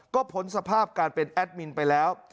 ก็พ้นสภาพการเป็นแอดมินไปแล้ว